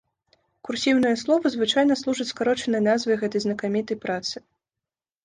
Курсіўныя словы звычайна служаць скарочанай назвай гэтай знакамітай працы.